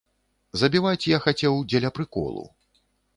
Забіваць я хацеў дзеля прыколу.